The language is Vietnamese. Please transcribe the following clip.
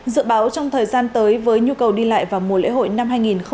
dự báo trong thời gian tới với nhu cầu đi lại vào mùa lễ hội năm hai nghìn hai mươi